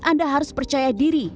anda harus percaya diri